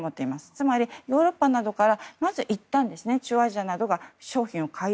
つまりヨーロッパなどからまずいったん中央アジアなどが商品を買い